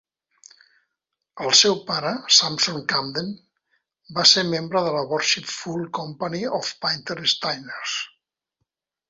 El seu pare, Sampson Camden, va ser membre de la Worshipful Company of Painter-Stainers.